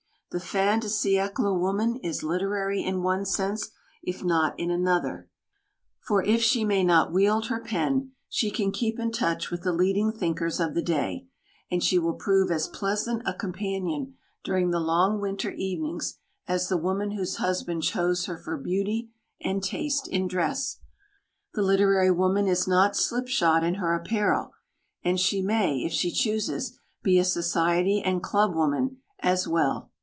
The fin de siècle woman is literary in one sense, if not in another, for if she may not wield her pen, she can keep in touch with the leading thinkers of the day, and she will prove as pleasant a companion during the long winter evenings as the woman whose husband chose her for beauty and taste in dress. The literary woman is not slipshod in her apparel, and she may, if she chooses, be a society and club woman as well.